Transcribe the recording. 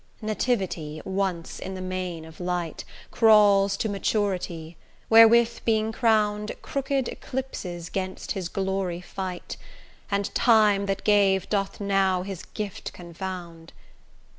Nativity, once in the main of light, Crawls to maturity, wherewith being crown'd, Crooked eclipses 'gainst his glory fight, And Time that gave doth now his gift confound.